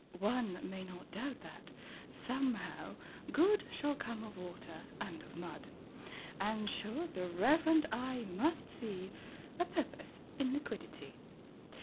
One may not doubt that, somehow, Good Shall come of Water and of Mud; And, sure, the reverent eye must see A Purpose in Liquidity.